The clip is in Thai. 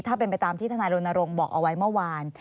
ถ้าเป็นไปตามที่ทนายรณรงค์บอกเอาไว้เมื่อวาน